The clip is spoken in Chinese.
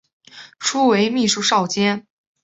初为秘书少监。